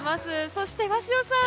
そして、鷲尾さん